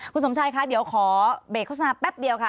คุณสมชายคะเดี๋ยวขอเบรกโฆษณาแป๊บเดียวค่ะ